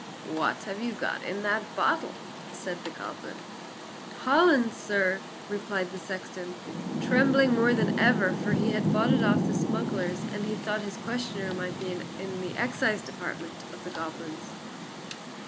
"What have you got in that bottle?" said the goblin. "Hollands, sir," replied the sexton, trembling more than ever, for he had bought it of the smugglers, and he thought his questioner might be in the excise department of the goblins.